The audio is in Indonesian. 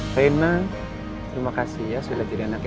reina terima kasih ya sudah jadi anak yang baik